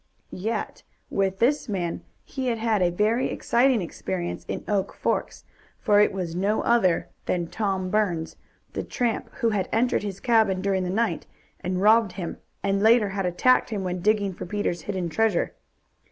Yet with this man he had had a very exciting experience in Oak Forks, for it was no other than Tom Burns, the tramp who had entered his cabin during the night and robbed him, and later had attacked him when digging for Peter's hidden treasure.